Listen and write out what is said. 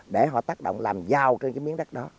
để họ tác động làm giao trên cái miếng đất đó